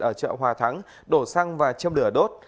ở chợ hòa thắng đổ xăng và châm lửa đốt